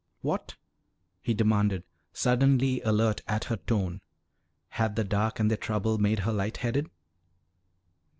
"What?" he demanded, suddenly alert at her tone. Had the dark and their trouble made her light headed?